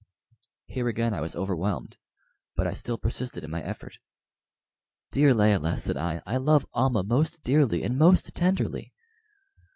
Here again I was overwhelmed, but I still persisted in my effort. "Dear Layelah," said I, "I love Almah most dearly and most tenderly."